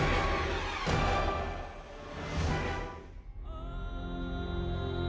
berwon kepada voyage